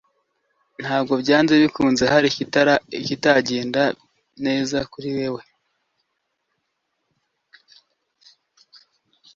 ntabwo byanze bikunze hari ikitagenda neza kuri wewe